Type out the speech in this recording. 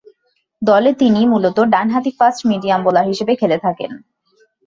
দলে তিনি মূলতঃ ডানহাতি ফাস্ট-মিডিয়াম বোলার হিসেবে খেলে থাকেন।